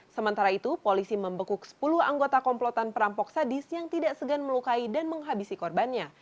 sementara itu polisi membekuk sepuluh anggota komplotan perampok sadis yang tidak segan melukai dan menghabisi korbannya